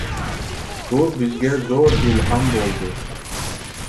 بۇ بىزگە زور ئىلھام بولدى.